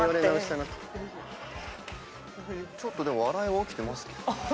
笑いは起きてますけど。